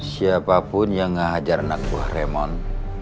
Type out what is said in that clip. siapapun yang ngehajar anak buah raymond